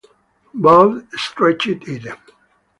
Bode stretched it.